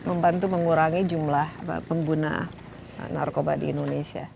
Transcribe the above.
membantu mengurangi jumlah pengguna narkoba di indonesia